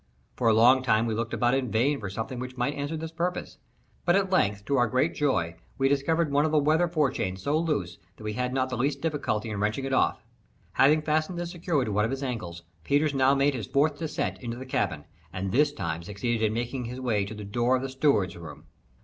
For a long time we looked about in vain for something which might answer this purpose; but at length, to our great joy, we discovered one of the weather forechains so loose that we had not the least difficulty in wrenching it off. Having fastened this securely to one of his ankles, Peters now made his fourth descent into the cabin, and this time succeeded in making his way to the door of the steward's room.